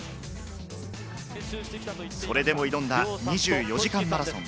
それでも挑んだ２４時間マラソン。